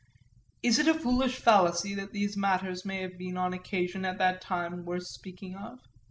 Is it a foolish fallacy that these matters may have been on occasion, at that time, worth speaking of?